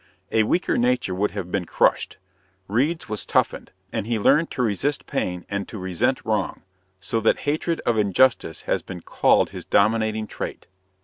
A weaker nature would have been crushed. Reade's was toughened, and he learned to resist pain and to resent wrong, so that hatred of injustice has been called his dominating trait.